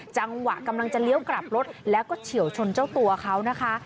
จังหวะกำลังจะเลี้ยวกลับรถแล้วก็เฉียวชนเจ้าตัวเขานะคะ